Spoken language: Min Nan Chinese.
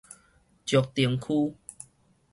石碇區